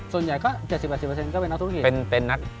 ส่วนใหญ่ก็๗๐๘๐ก็เป็นนักธุรกิจเป็นนัก